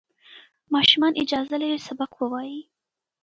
ماشومان اجازه لري سبق ووایي.